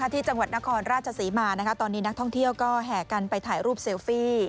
ที่จังหวัดนครราชศรีมาตอนนี้นักท่องเที่ยวก็แห่กันไปถ่ายรูปเซลฟี่